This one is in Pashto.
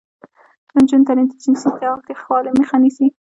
د نجونو تعلیم د جنسي تاوتریخوالي مخه نیسي.